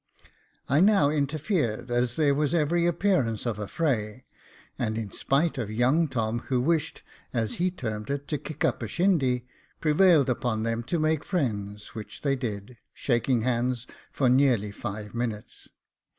Jacob Faithful 115 I now interfered, as there was every appearance of a fray ; and in spite of young Tom, who wished, as he termed it, to kick up a shindy, prevailed upon them to make friends, which they did, shaking hands for nearly five minutes.